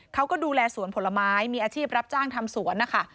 เขาก็ดูแลสวนผลไม้มีอาชีพรับจ้างทำสวนนะคะ